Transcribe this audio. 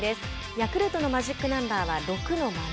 ヤクルトのマジックナンバーは６のまま。